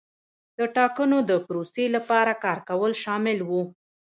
د ټاکنو د پروسې لپاره کار کول شامل وو.